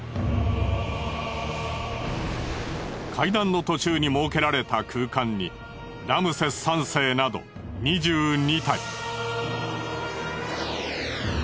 階段の途中に設けられた空間にラムセス３世など２２体。